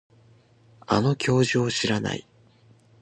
あの教授を知らない